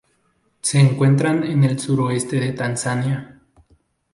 Se encuentran en el suroeste de Tanzania.